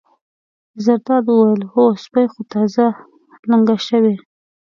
زرداد وویل: هو سپۍ خو تازه لنګه شوې.